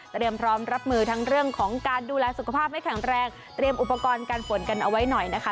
เตรียมพร้อมรับมือทั้งเรื่องของการดูแลสุขภาพให้แข็งแรงเตรียมอุปกรณ์การฝนกันเอาไว้หน่อยนะคะ